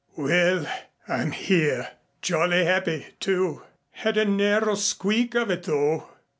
"Well, I'm here. Jolly happy, too. Had a narrow squeak of it, though.